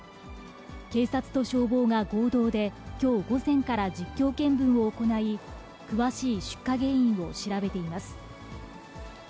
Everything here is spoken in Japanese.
警察と消防が合同で、きょう午前から実況見分を行い、詳しい出火原因を調べています。